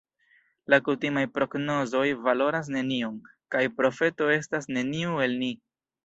La kutimaj prognozoj valoras nenion, kaj profeto estas neniu el ni.